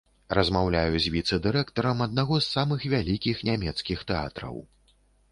Размаўляю з віцэ-дырэктарам аднаго з самых вялікіх нямецкіх тэатраў.